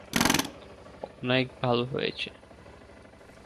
অনেক ভালো হয়েছে!